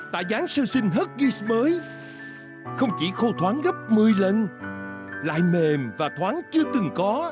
tại giáng sơ sinh huggies mới không chỉ khô thoáng gấp một mươi lần lại mềm và thoáng chưa từng có